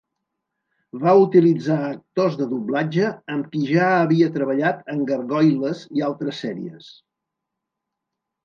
Va utilitzar actors de doblatge amb qui ja havia treballat en "Gargoyles" i altres sèries.